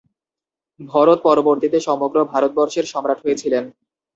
ভরত পরবর্তিতে সমগ্র ভারতবর্ষের সম্রাট হয়েছিলেন।